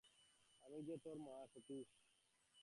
আমি যে তোর মা, সতীশ।